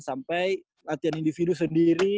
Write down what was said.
sampai latihan individu sendiri